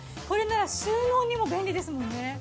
これなら収納にも便利ですもんね。